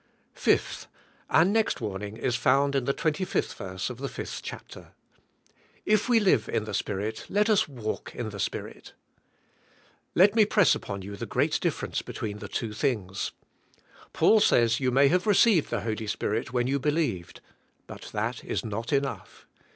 5. Our next warning is found in the 25th yerse of the 5th chapter. "If we liye in the Spirit, let us walk in the Spirit.'' Let me press upon you the great difference between the two things. Paul says you may haye receiyed the Holy Spirit when you belieyed, but that is not enough.